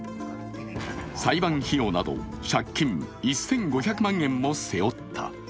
裁判費用など借金１５００万円も背負った。